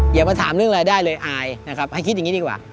อย่ามาถามเรื่องรายได้เลยอายนะครับให้คิดอย่างนี้ดีกว่า